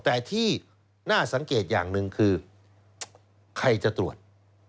แต่ที่น่าสังเกตอย่างหนึ่งคือใครจะตรวจ